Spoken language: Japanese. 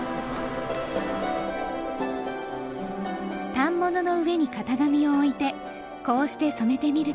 反物の上に型紙を置いてこうして染めてみると。